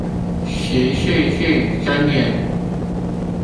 十四字真言